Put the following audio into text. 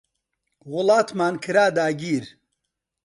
وڵاتمان کرا داگیر